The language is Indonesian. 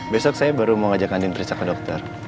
besok saya baru mau ajak andin prinsip ke dokter